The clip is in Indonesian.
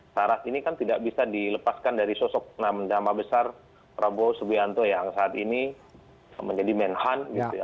saras ini kan tidak bisa dilepaskan dari sosok nama besar prabowo subianto yang saat ini menjadi menhan gitu ya